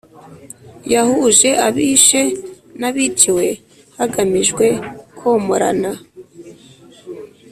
Yahuje abishe n abiciwe hagamijwe komorana